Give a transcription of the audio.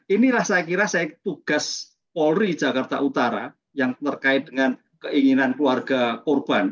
inilah saya kira saya tugas polri jakarta utara yang terkait dengan keinginan keluarga korban